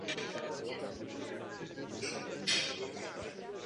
Král Sebastián v bitvě zahynul a velká část portugalské šlechty padla do zajetí.